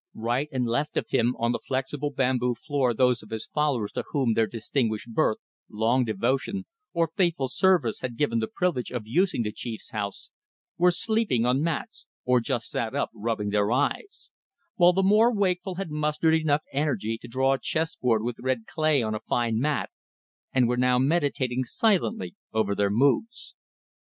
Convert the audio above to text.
Right and left of him on the flexible bamboo floor those of his followers to whom their distinguished birth, long devotion, or faithful service had given the privilege of using the chief's house, were sleeping on mats or just sat up rubbing their eyes: while the more wakeful had mustered enough energy to draw a chessboard with red clay on a fine mat and were now meditating silently over their moves.